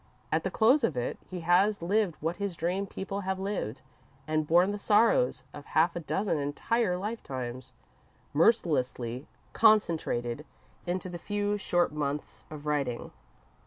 At the close of it, he has lived what his dream people have lived and borne the sorrows of half a dozen entire lifetimes, mercilessly concentrated into the few short months of writing.